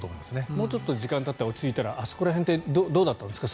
もうちょっと時間がたって落ち着いたらあそこら辺どうだったんですか